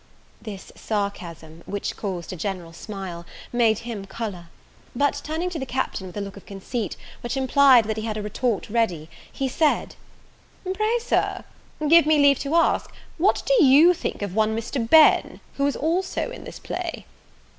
This sarcasm, which caused a general smile, made him colour: but, turning to the Captain with a look of conceit, which implied that he had a retort ready, he said, "Pray, Sir, give me leave to ask What do you think of one Mr. Ben, who is also in this play?"